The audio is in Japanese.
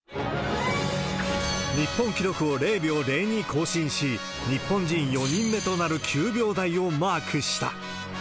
日本記録を０秒０２更新し、日本人４人目となる９秒台をマークした。